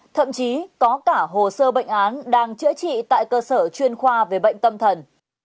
thậm chí có cả hồ sơ bệnh án đang chữa trị tại cơ sở chuyên khoa về bệnh tâm thần